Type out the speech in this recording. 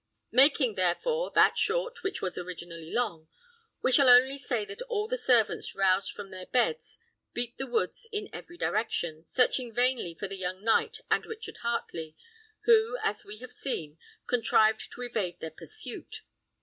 Making, therefore, that short which was originally long, we shall only say that all the servants, roused from their beds, beat the woods in every direction, searching vainly for the young knight and Richard Heartley, who, as we have seen, contrived to evade their pursuit.